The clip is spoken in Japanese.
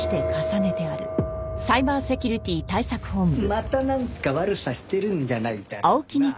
またなんか悪さしてるんじゃないだろうな？